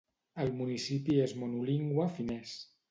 El municipi és monolingüe finès.